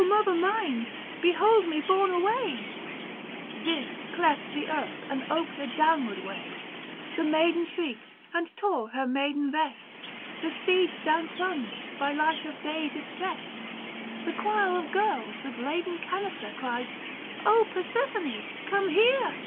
mother mine, behold me borne away !" Dis cleft the earth, and oped a downward way ; 500 The maiden shrieked, and tore her maiden vest ; The steeds down plunged, by light of day distressed. Book IV. THE FASTI. 119 The choir of girls, with laden canister, Cried, " Persephone ! come here